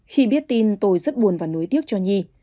khi biết tin tôi rất buồn và nối tiếc cho nhi